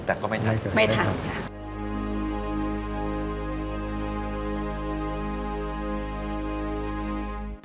แต่ก็ไม่ทันค่ะไม่ทันค่ะค่ะไม่ทัน